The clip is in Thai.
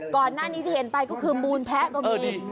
ก่อนหน้านี้ที่เห็นไปก็คือมูลแพ้ก็มี